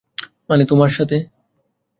মানে, তোমার সাথে?